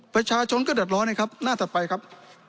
ประชาชนก็เดือดร้อนนะครับหน้าถัดไปครับ